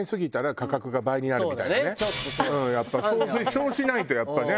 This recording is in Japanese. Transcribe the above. そうしないとやっぱね。